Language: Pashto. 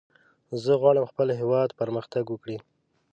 زه غواړم خپل هېواد پرمختګ وکړي.